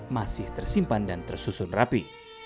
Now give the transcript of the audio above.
masih tersimpan dan tersusun rapi